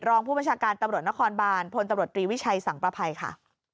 รองผู้บัญชาการตำรวจนครบานพลตำรวจตรีวิชัยสังประภัยค่ะ